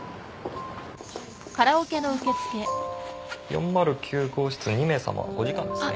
４０９号室２名さま５時間ですね。